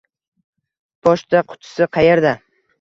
Pochta qutisi qayerda?